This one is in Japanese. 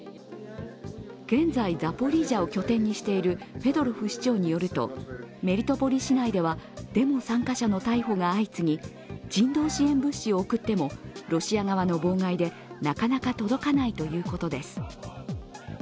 現在、ザポリージャを拠点にしているフェドロフ市長によると、メリトポリ市内では、デモ参加者の逮捕が相次ぎ人道支援物資を送ってもロシア側の妨害でなかなか届かないということです。